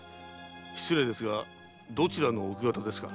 失礼だがどちらの奥方ですか？